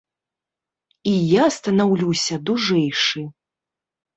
І я станаўлюся дужэйшы.